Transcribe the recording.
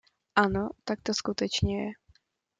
Ano, tak to skutečně je.